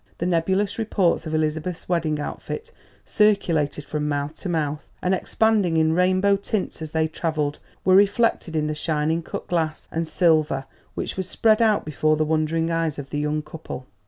The nebulous reports of Elizabeth's wedding outfit, circulated from mouth to mouth and expanding in rainbow tints as they travelled, were reflected in the shining cut glass and silver which was spread out before the wondering eyes of the young couple.